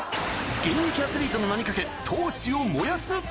現役アスリートの名に懸け闘志を燃やす。